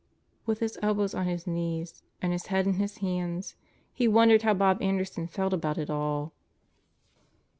With his elbows on his knees and his head in his hands he wondered how Bob Anderson felt about it all.